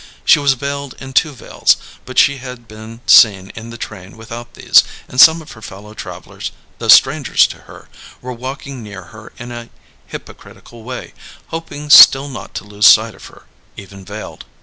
She was veiled in two veils, but she had been seen in the train without these, and some of her fellow travellers, though strangers to her, were walking near her in a hypocritical way, hoping still not to lose sight of her, even veiled.